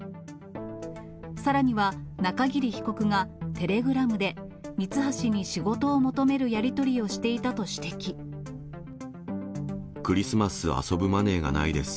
さらには、中桐被告がテレグラムでミツハシに仕事を求めるやり取りをしていクリスマス遊ぶマネーがないです。